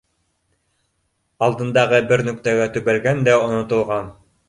Алдындағы бер нөктәгә тө бәлгән дә онотолған